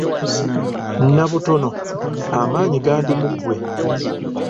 Nnabutono amaanyi gandi mu ggwe